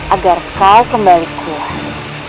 agar kau kembali kuat